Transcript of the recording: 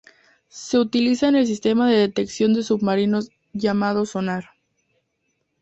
Se utiliza en el sistema de detección de submarinos llamado Sonar.